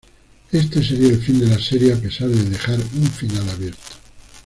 Este seria el fin de la serie a pesar de dejar un final abierto.